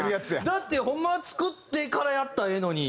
だってホンマは作ってからやったらええのに！